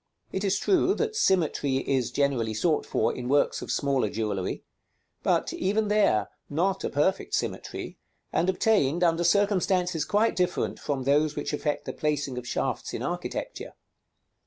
It is true that symmetry is generally sought for in works of smaller jewellery; but, even there, not a perfect symmetry, and obtained under circumstances quite different from those which affect the placing of shafts in architecture.